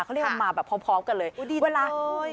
เขาเรียกว่ามาแบบพร้อมกันเลยโอ้ดีจริงเลย